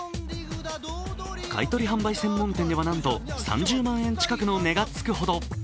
買取販売専門店では、なんと３０万円近くの値がつくほど。